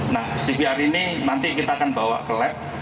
nah cvr ini nanti kita akan bawa ke lab